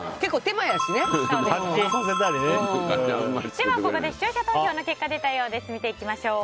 では、ここで視聴者投票の結果が出たようです。